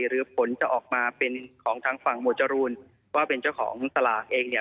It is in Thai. หรือผลจะออกมาเป็นของทางฝั่งหมวดจรูนว่าเป็นเจ้าของสลากเองเนี่ย